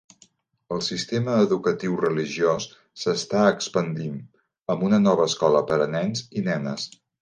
El sistema educatiu religiós s'està expandint, amb una nova escola per a nens i nenes.